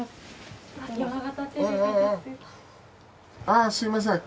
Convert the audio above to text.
ああすいません。